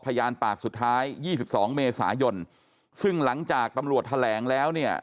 พยานปากสุดท้ายยี่สิบสองเมษายนซึ่งหลังจากตำรวจแถลงแล้วเนี่ย